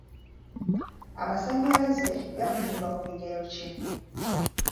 Amasanyalaze gapimibwa mu bigero ki?